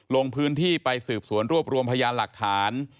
ลงพื้นที่ไปสืบสวนรวบรวมพยานหลักฐาน